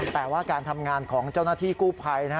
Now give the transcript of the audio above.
แต่ว่าการทำงานของเจ้าหน้าที่กู้ภัย